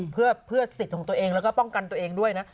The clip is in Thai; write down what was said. เพื่อสิทธิ์ของตัวเองแล้วก็ป้องกันตัวเองด้วยนะ